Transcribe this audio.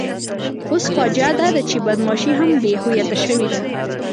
اوس فاجعه داده چې بدماشي هم بې هویته شوې ده.